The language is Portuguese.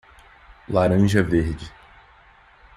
Laranja verde.